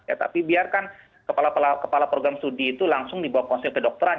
ya tapi biarkan kepala program studi itu langsung dibawa konsel kedokteran